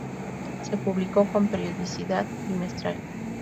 Se publicó con periodicidad trimestral.